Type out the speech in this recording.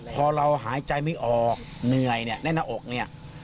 พอเราหายใจไม่ออกเหนื่อยเนี่ยแน่นหน้าอกเนี่ย